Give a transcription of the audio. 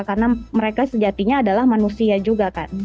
karena mereka sejatinya adalah manusia juga kan